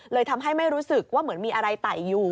ทำให้ไม่รู้สึกว่าเหมือนมีอะไรไต่อยู่